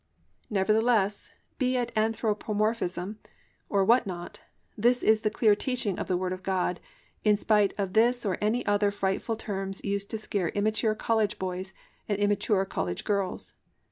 Nevertheless, be it "anthropomorphism" or what not, this is the clear teaching of the Word of God in spite of this or any other frightful terms used to scare immature college boys and immature college girls.